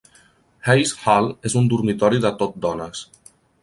Hayes Hall és un dormitori de tot dones.